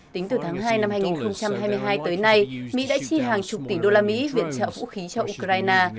tính từ tháng hai năm hai nghìn hai mươi hai tới nay mỹ đã chi hàng chục tỷ đô la mỹ viện trợ vũ khí cho ukraine